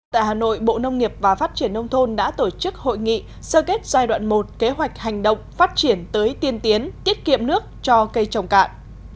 tại hà nội bộ nông nghiệp và phát triển nông thôn đã tổ chức hội nghị sơ kết giai đoạn một kế hoạch hành động phát triển tới tiên tiến tiết kiệm nước cho cây trồng cạn